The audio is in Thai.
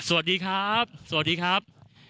สวัสดีครับ